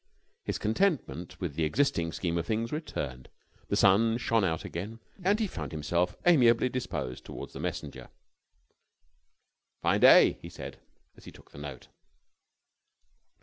His contentment with the existing scheme of things returned. The sun shone out again, and he found himself amiably disposed towards the messenger. "Fine day," he said, as he took the note.